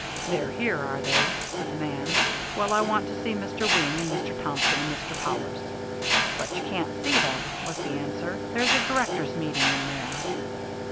"They're here, are they?" said the man. "Well, I want to see Mr. Wing and Mr. Thompson and Mr. Powers." "But you can't see them," was the answer. "There's a directors' meeting in there."